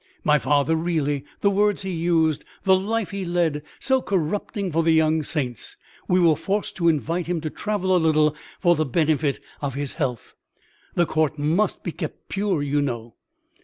"My father! really, the words he used, the life he led; so corrupting for the young saints! We were forced to invite him to travel a little for the benefit of his health. The court must be kept pure, you know."